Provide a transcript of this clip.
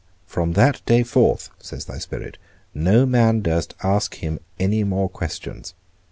From that day forth, says thy Spirit, no man durst ask him any more questions.